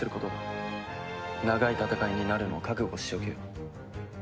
長い戦いになるのを覚悟しておけよ。